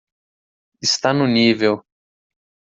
Está no nível.